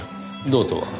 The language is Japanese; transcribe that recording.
どうとは？